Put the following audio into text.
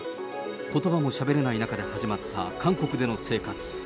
ことばもしゃべれない中で始まった韓国での生活。